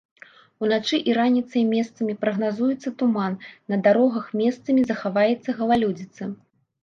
Уначы і раніцай месцамі прагназуецца туман, на дарогах месцамі захаваецца галалёдзіца.